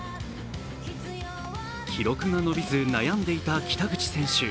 記録が伸びず悩んでいた北口選手。